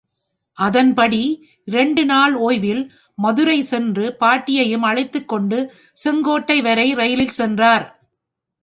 அதன்படி இரண்டு நாள் ஒய்வில் மதுரை சென்று, பாட்டியையும் அழைத்துக் கொண்டு செங்கோட்டை வரை ரயிலில் சென்றார்.